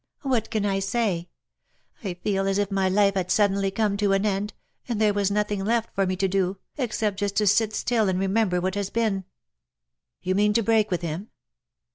"What can I say? I feel as if my life had suddenly come to an end, and there were nothing left for me to do, except just to sit still and remem ber what has been/' " You mean to break with him